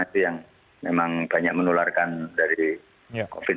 itu yang memang banyak menularkan dari covid sembilan belas